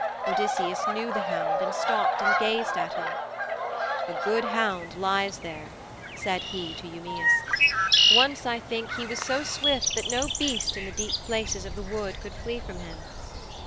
Odysseus knew the hound and stopped and gazed at him. 'A good hound lies there,' said he to Eumæus, 'once, I think, he was so swift that no beast in the deep places of the wood could flee from him.'